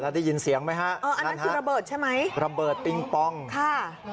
แล้วได้ยินเสียงมั้ยติดอะอันนั้นคือระเบิดใช่ไหม